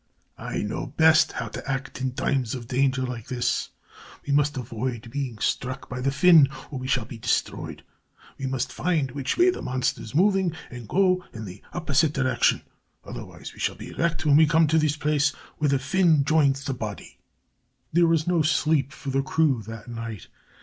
"I know best how to act in times of danger like this. We must avoid being struck by the fin, or we shall be destroyed. We must find which way the monster is moving and go in the opposite direction; otherwise we shall be wrecked when we come to the place where the fin joins the body." There was no sleep for the crew that night.